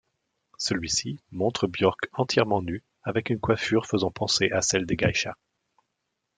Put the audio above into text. Celui-ci montre Björk entièrement nue avec une coiffure faisant penser à celles des geishas.